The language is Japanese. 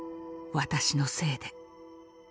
私のせいで。